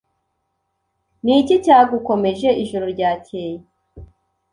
Ni iki cyagukomeje ijoro ryakeye?